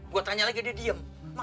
gue tanya lagi dia diem